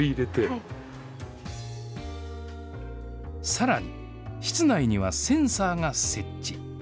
さらに、室内にはセンサーが設置。